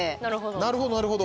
なるほどなるほど。